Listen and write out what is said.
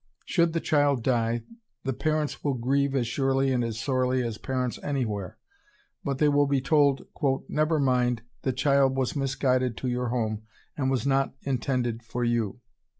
Should the child die, the parents will grieve as surely and as sorely as parents any where; but ... they will be told, "Never mind, the child was misguided to your home, and was not intended for you."